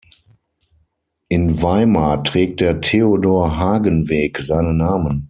In Weimar trägt der "Theodor-Hagen-Weg" seinen Namen.